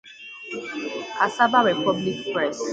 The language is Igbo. Cassava Republic Press.